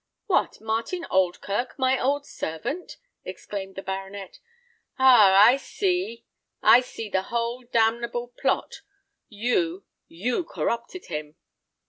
"What! Martin Oldkirk, my old servant?" exclaimed the baronet. "Ah! I see, I see the whole damnable plot. You you corrupted him."